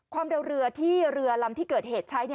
ความเร็วเรือที่เรือลำที่เกิดเหตุใช้